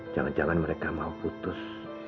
jangan jangan mereka mau putus